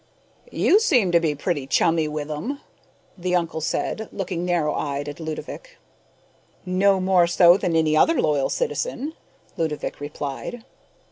"You seem to be pretty chummy with 'em," the uncle said, looking narrow eyed at Ludovick. "No more so than any other loyal citizen," Ludovick replied.